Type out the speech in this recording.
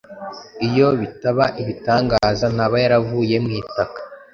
iyo bitaba ibitangaza ntaba yaravuye mu itaka